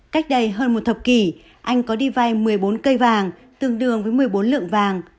cách đây hơn một thập kỷ anh có đi vay một mươi bốn cây vàng tương đương với một mươi bốn lượng vàng